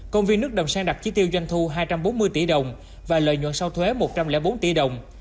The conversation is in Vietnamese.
công viên nước đầm sen đặt chi tiêu doanh thu hai trăm bốn mươi tỷ đồng và lợi nhuận sau thuế một trăm linh bốn tỷ đồng